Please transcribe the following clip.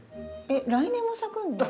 来年も咲くんですね。